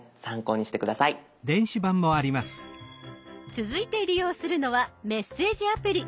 続いて利用するのはメッセージアプリ。